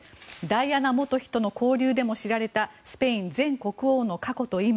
ダイアナ元妃との交流でも知られたスペイン前国王の過去と今。